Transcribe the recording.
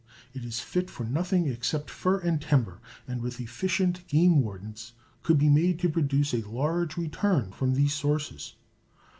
It is fit for nothing except fur and timber, and, with efficient game wardens, could be made to produce a large return from these sources.